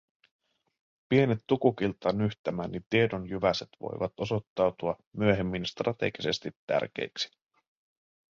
Pienet Tukukilta nyhtämäni tiedonjyväset voivat osoittautua myöhemmin strategisesti tärkeiksi.